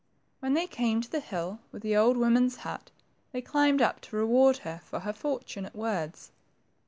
When they came to the hill with the old woman's hut, they climbed up to reward her for her fortunate words.